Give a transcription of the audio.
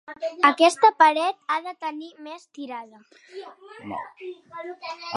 Aquesta paret ha de tenir més tirada.